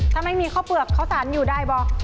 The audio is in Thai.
ถ้าไม่มีข้าวเปลือกข้าวสารอยู่ได้บอก